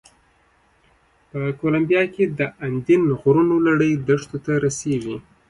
په کولمبیا کې د اندین غرونو لړۍ دښتو ته رسېږي.